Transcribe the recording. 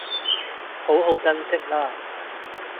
好好珍惜喇